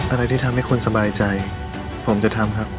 อะไรที่ทำให้คนสบายใจผมจะทำครับ